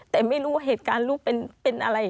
แต่ไม่รู้เหตุการณ์ลูกเป็นอะไร